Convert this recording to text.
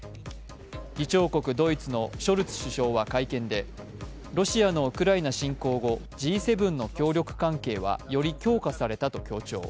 議長国ドイツのショルツ首相は会見でロシアのウクライナ侵攻後、Ｇ７の協力関係はより強化されたと強調。